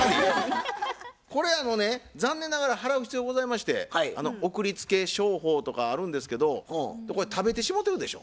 これ残念ながら払う必要ございまして送り付け商法とかあるんですけど食べてしもうてるでしょ？